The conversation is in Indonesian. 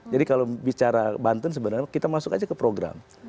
jadi kalau bicara banten sebenarnya kita masuk aja ke program